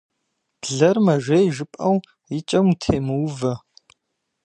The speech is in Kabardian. Блэр мэжей жыпӏэу и кӏэм утемыувэ.